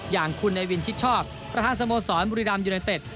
อย่างคุณไอวินชิดชอบประธาสมสรรค์บุรีรัมย์ยูนาเต็ด